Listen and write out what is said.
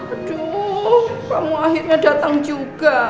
aduh kamu akhirnya datang juga